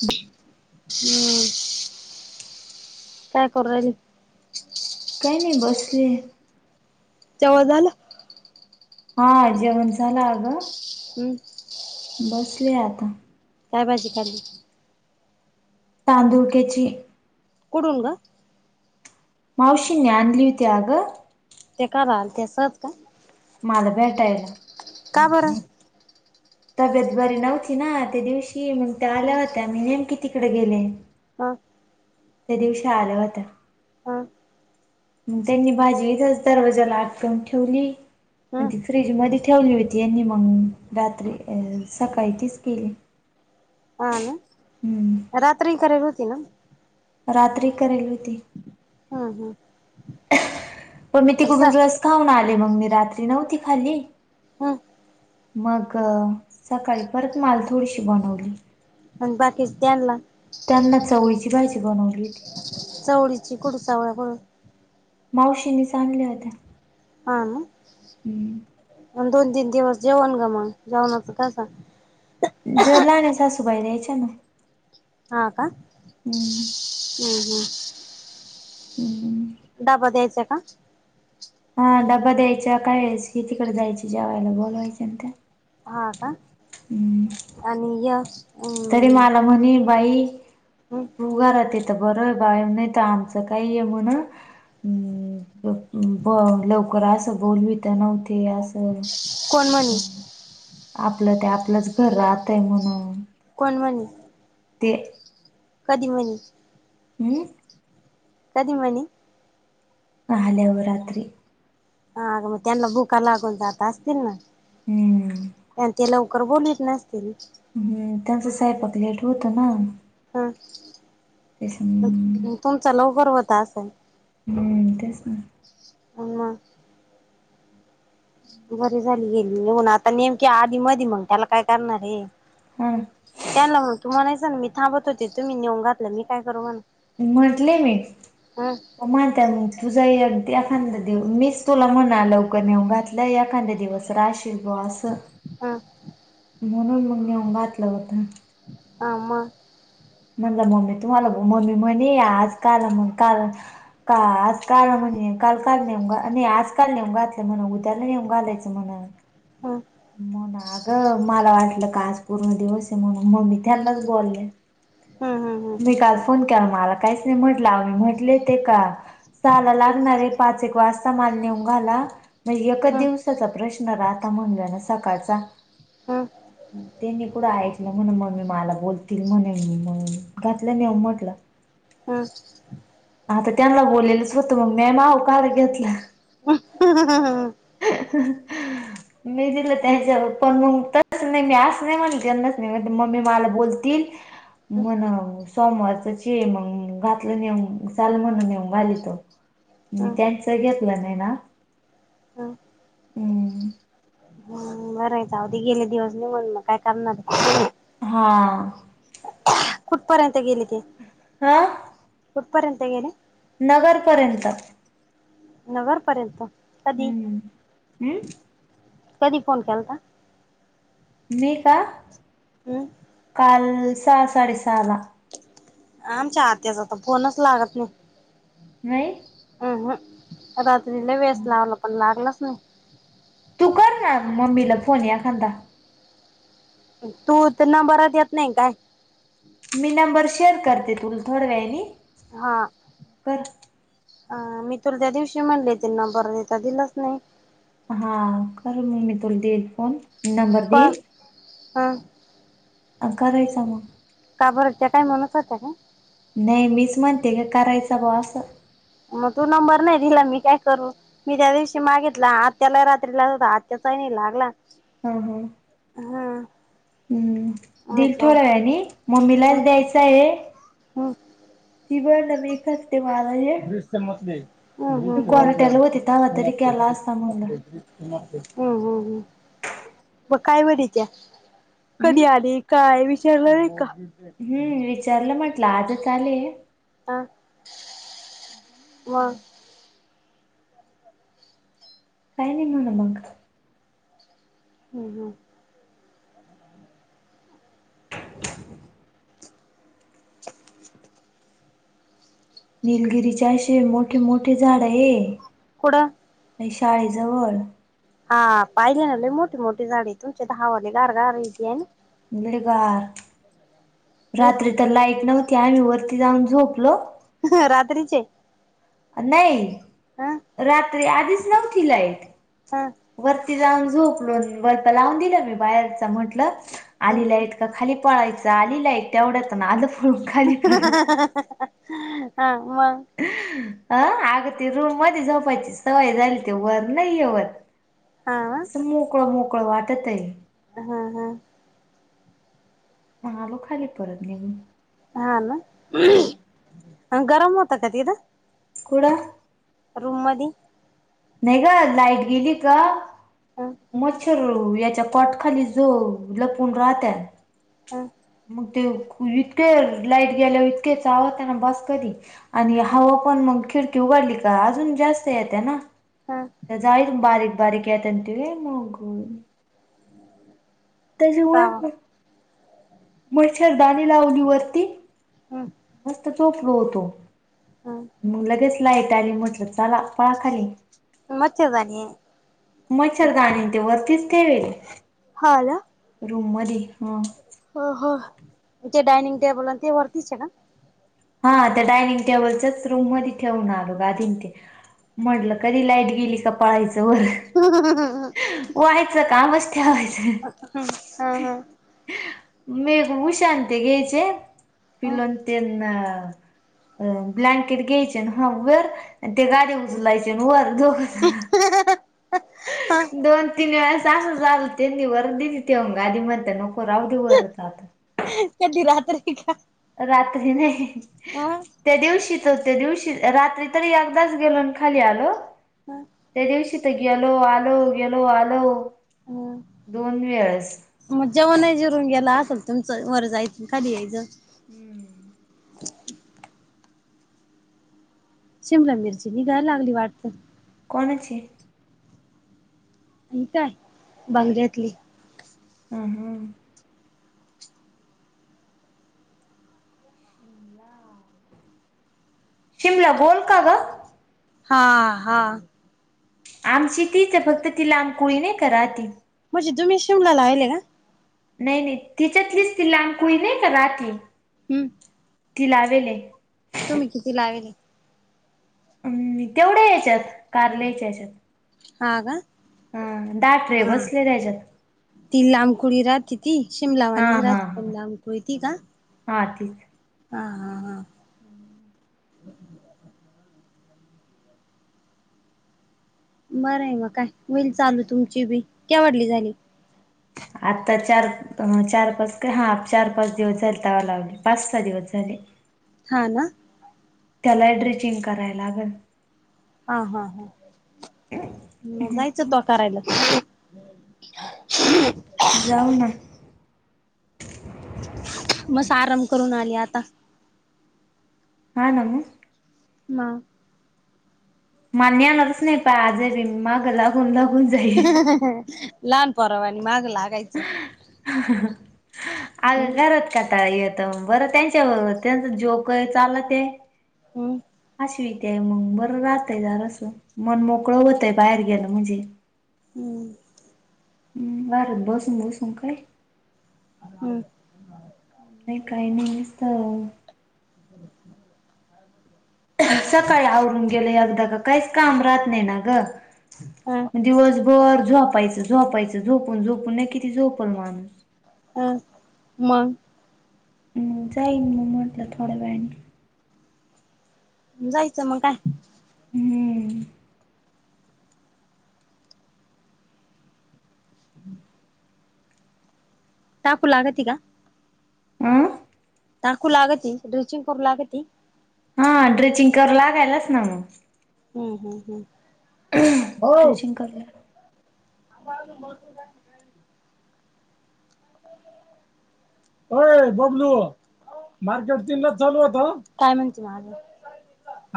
ब [unintelligible] हम्म, काय करू राहिली? काही नही, बसले. जेवण झालं? हां, जेवण झालं, अ गं. हम्म. बसलेये आता. काय भाजी, खाल्ली? तांदुळक्याची कूडून गं? मावशींनी आणली होती, अ गं. ते काला आल्ते, सहज का? माला भेटायला. का बरं? तब्येत बरी नव्हती ना, त्या दिवशी, मग त्या आल्या होत्या, मी नेमकी तिकड गेले. अं त्या दिवशी आल्या होत्या. हां. म त्यांनी भाजी, इथंच दरवाजाला आटकवून ठेवली, अ ह तीथ फ्रीज मदि ठेवली होती यांनी, मग रात्री, अ सकाळी तीच केली. हा ना, हम्म रात्री करेल होती ना? रात्री करेल होती, हम्म हम्म पण मी सा तिकडून रस खाऊन आले, मग मी रात्री नव्हती, खाल्ली. हं. मग सकाळी, परत माला थोडीशी, बनवली. अन बाकीच त्यांनला? त्यांना, चवळीची भाजी, बनवली. चवळीची कूडू, चवळ्या कुडून? मावशीनीच आणल्या, होत्या. हा ना, हम्म मग दोन-तीन दिवस, जेवण ग मग, जेवणाच कसं? ज [unintelligible] लहान्या सासूबाई, द्यायच्या ना. हा का? हम्म हम् हम्म. ह्म्म्म. डबा, द्यायच्या का? हा, डबा द्यायच्या, काइ वेळेस हे तिकडे जायचे, जेवायला बोलावायच्या न त्यां. हा का? हम्म्म. आणि ह्य? तरी माला म्हनी, बाई तू घरात हाय ते बर बाय, नाही तर आमचं काही आहे म्हण लवकर असं बोलवीत नव्हते असं कोण म्हण आपलं ते आपलंच घर राहतय म्हणून कोण म्हण ती कधी म्हणली हम्म कधी म्हणली आल्यावर रात्री हा आग म त्यांना भुका लागून जात असतील ना. हम्म आणि ते लवकर बोलवित नसतील हम्म त्यांचं सयपाक लेट होतं ना हा तेच हम्म तुमचा लवकर होत असेल हम तेच ना [unintelligible] बर झाली गेली आता नेमक्या आधी मधी मग त्याला काय करणार हे हम त्यांन तू म्हणायचं न मी थांबत होते तुम्ही नेऊन घातलं मी काय करू म्हण म्हटले मी व म्हणत्यात म तुझा एक एखांदा दिव मीच तुला म्हणालो कणी नेऊन घातलंय एखांदा दिवस राहशी बुआ असं हं म्हणून मग नेऊन घातलं होतं. आ मगं म्हणलं मम्मी तुम्हाला मम्मी म्हणे आज काल म्हण काल का आज का म्हणे काल काल नेऊ नाही, आज का नेऊन घातलं म्हण उद्याला नेऊन घालायचं म्हण हम म्हण अगं मला वाटलं का आज पूर्ण दिवस आहे म्हणून मम्मी त्यांनाच बोलल्या. हं हं मी काल फोन केला मला काहीच नाही म्हटलं आव मी म्हटले ते का जाला लागणार हाय पाच एक वाजता मला नेऊन घाला मग एकच हं हं दिवसाचा प्रश्न राहता म्हणल ना सकाळचा. हा तेनी कुठं ऐकलं म्हणून मम्मी मला बोलतील म्हणे म्हणून घातलं नेऊन म्हंटल ह आता त्यांना बोललेलंच होतं मग मम्मे माव काय घेतल. ह ह ह मी दिलं त्यांच्यावर पण मग त नाही मी असं नाही म्हणल त्यांना मी म्हंटल मम्मी मला बोलतील म्हण सोमवारचच ये मग घातलं नेऊन चाल म्हण नेऊन घालितो, मी हं त्यांच घेतलं नाही ना हं हम बरय जाऊदे गेले दिवस निघून मग काय करणार आहे. हा कुठपर्यंत गेली ते हा कुठपर्यंत गेल्या नगरपर्यंत नगरपर्यंत कधी? हम्म हम्म कधी फोन केलता? मी का? हम्म काल सहा, साडेसहाला. आमच्या आत्याचा तर फोनच लागत नाही. नाही? अ हं रात्री लय वेळेस लावला पण लागलच नाही. तू कर ना, मम्मीला फोन एखांदा. तू ते नंबरात येत नाही काय? मी नंबर शेअर करते तुला थोड्या वेळानी. हा. कर अ मी तुला त्या दिवशी म्हणले, ते नंबर दे तर दिलाच नाही. हा, कर मग मी तुला देईल फोन. नंबर का? देईल हा. अ करायचा मग. का बर, त्या टाईमलाच होत्या काय? नाही, मीच म्हणते का करायचं बा असं. मग तू नंबर नाही दिला, मी काय करू? मी त्या दिवशी मागितला, आत्याला रात्रीला [unintelligible] आत्याचा नाही लागला. हं, हं. हा. हम्म, दिल थोड्या वेळानी, मम्मीलाच द्यायचं आहे. हं. [unintelligible] हं, हं, हं. [unintelligible] क्वारट्याला होते तवा तरी केला असता हं, म्हणलं हं, हं मग काय म्हणीत्या? हम्म कधी आली? काय विचारलं नाही का? हम्म, विचारलं म्हटलं, आजच आलेय. हा [unintelligible] काय नाही [unintelligible] मंग. हं, हं. [inaudible] [inaudible] निलगिरी चे अशे मोठे, मोठे झाड आहे. कुठ? [unintelligible] शाळेजवळ. हा, पाहिले ना लय मोठी, मोठी झाडे आहेत, तुमच्या इथं हावा लय गार, गार येत हाय ना? लय गार तेच रात्री तर लाईट नव्हती, आम्ही वरती जाऊन झोपलो. रात्रीचे? नाही, हा रात्री आधीच नव्हती लाईट. हा. वरती जाऊन झोपलो, वरता लावून दिलं मी बाहेरच म्हंटलं. हा आली लाईट का खाली पळायचं, आली लाईट तेवढ्यातन आल [unintelligible] हा मंग? अ अग ते रूम मध्ये झोपायची सवय झाली, ते वर नाही आहे वर. हा असं मोकळं मोकळं वाटत आहे. हां हां. मग आलो खाली परत निघून. हा ना, हम्म गरम होत का तिथं कुठं. रूममध्ये. नाही का. लाईट गेली का, मच्छर होते याच्या पाटखाली जो लपून राहत्यात. मग ते खोलीत तर लाईट गेल्यावर इतके चावते. बास काहि आणि हवा पण मग खिडकी उघाडली का, अजून जास्त येत्या ना. [unintelligible] त्या जाळीत बारीक बारीक येत्यात मग. त्याच्यामुळ सावा मच्छरदाणी लावली वरती. [unintelligible] मस्त झोपलो होतो. हां. मग लगेच लाईट आली. म्हटलं, चला पळाखाली. मच्छरदाणी. मच्छरदाणी ते वरतीच ठेवेली. हा, का. रूममदे हा. हा हा, जे डायनिंग टेबलय ते वरतीच आहे का. हा, त्या डायनिंग टेबलच्याच रूम मध्ये ठेवून आलो. गादी ते म्हटलं, कधी लाईट गेली का पळायचं वर. [unintelligible] व्हायचं, कामच ठेवायचं. हम्म मी उषांती घायचे, हम्म पीलू न तेन अ ब्लँकेट घ्यायचे हाफ वर, आण ते गादी उचलायचे वर दोघ जण. दोन तीन वेळेस असं झालं, त्यांनी वर दिली ठेऊन गादी, म्हणते नको राहू दे वरच आता. त्यांनी रात्री का रात्री नाही, अ त्या दिवशी तर ते दिवशी रात्री तरी एकदाच गेलो आणि खाली आलो. त्या दिवशी तर गेलो आलो गेलो आलो. दोन वेळेस मग जेवण हि जिरून गेला असेल तुमचं, वर जायचं खाली यायचं. [inaudible] शिमला मिरची निघाय लागली वाटतं. कोणाची. बंगल्यातली. हां, हां. शिमला शिमला, गोल का ग. हा, हा. आमची तीच आहे फक्त ति लामकुळी नाही का राहती, म्हणजे तुम्हीच शिमला लाविले का? नाही नाही तिच्यातलीच ति लांबकुळी नाही का राहती, हूं... ती लावेल ये. तुम्ही किती लावेली? हम्म तेवढ्या याच्यात, कारल्याच्या याच्यात. हां, का. हा दहा ट्रे हा बसले त्याच्यात. ती लांबकुळी राहते ती, हा शिमलावानीच हा राहते हा लांबकोळी ती का? हा ती हा. हा. हा अह.... बरं आहे मग काय होईल चालू तुमची बी, केवडली झाली? आत्ता चार अ चार -पाच काय, हा चार -पाच दिवस झाले तवा लावली, पाच -सहा दिवस झाले. हा. ना. त्याला ही ड्रेचिंग कराय लागन. हा. हा. हा. म जायचं त्वा करायला. जाऊ ना. मस आराम करून आली आता. हा ना मग. मग मला नेणारच नाही प आजे बी माग लागून-लागून. लहान पोरावानी माग लागायचं. अगं हम्म घरात कंटाळा येतो बरं त्यांच्याबरोबर त्यांच जो काय चाल ते, हम् हशवीते मग बरं राहतयं जरासं, मन मोकळं होतंय बाहेर गेलं म्हणजे. हूं.... हुं... घरात बसून-बसून काय, हूं... नाही काही नेमिस्त [unintelligible] सकाळी आवरून गेलं एगदां का काहीच कामं राहत नाही ना गं. ह म दिवसभर झोपायचं, झोपायचं, झोपून -झोपून ना किती झोपल माणूस. हा मंग. हं जाईन म म्हटलं थोड्या वेळानी. जायचं मग काय हूं.... [unintelligible] टाकू लागती का? आं टाकू लागती, ड्रिचिंग करू लागती. हा ड्रिचिंग करु लागायलास ना मग. हम्म हम् हम्म. ड्रेसिंग करला. मोठू ला. ओय बबलू मार्केट तीनलाच चालू होत काय म्हणती मग अजून.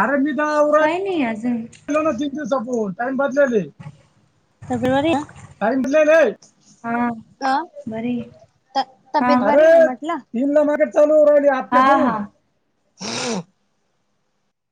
आरं मी. [unintelligible] [unintelligible] नाहीया अजून. [unintelligible] टाइम पास झालयं. [unintelligible] अ. भरीत. त तब्बे. हा हा [unintelligible]